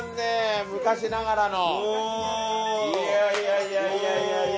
いやいやいやいや。